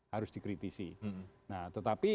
harus dikritisi nah tetapi